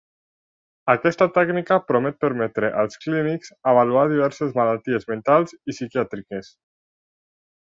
Aquesta tècnica promet permetre als clínics avaluar diverses malalties mentals i psiquiàtriques.